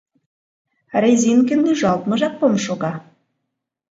Резинке нӱжалтмыжак мом шога!